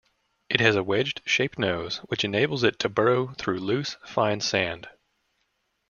It has a wedged-shaped nose which enables it to burrow through loose, fine sand.